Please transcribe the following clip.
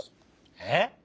えっ？